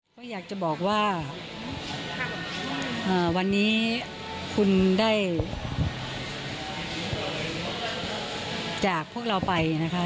ก็อยากจะบอกว่าวันนี้คุณได้จากพวกเราไปนะคะ